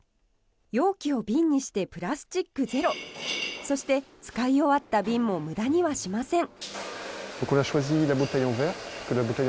容器を瓶にしてプラスチックゼロそして、使い終わった瓶も無駄にはしません。